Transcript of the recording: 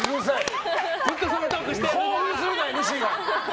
興奮するな、ＭＣが！